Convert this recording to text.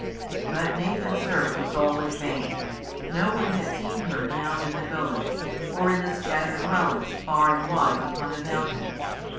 But Nathan's search was all in vain. No one had seen her down in the village, or in the scattered dwellings far and wide upon the mountains.